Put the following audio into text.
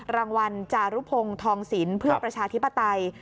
รางวัลจารุพงศ์ทองศิลป์เพื่อประชาธิปไตย